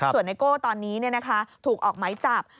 ส่วนไนโก้ตอนนี้ถูกออกไหมจับ